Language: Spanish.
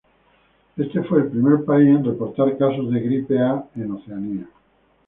Éste fue el primer país en reportar casos de gripe A en Oceanía.